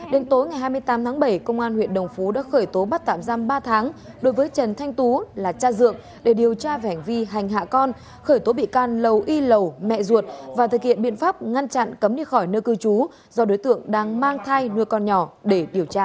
đến tối ngày hai mươi tám tháng bảy công an huyện đồng phú đã khởi tố bắt tạm giam ba tháng đối với trần thanh tú là cha dượng để điều tra về hành vi hành hạ con khởi tố bị can lầu y lầu mẹ ruột và thực hiện biện pháp ngăn chặn cấm đi khỏi nơi cư trú do đối tượng đang mang thai nuôi con nhỏ để điều tra